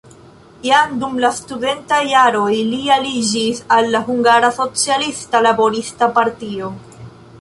Jam dum la studentaj jaroj li aliĝis al la Hungara Socialista Laborista Partio.